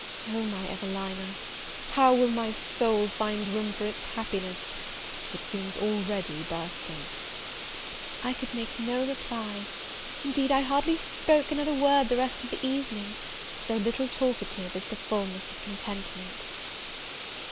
Oh, my Evelina, how will my soul find room for its happiness? it seems already bursting!" I could make no reply, indeed I hardly spoke another word the rest of the evening; so little talkative is the fulness of contentment.